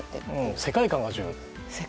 世界観が重要と。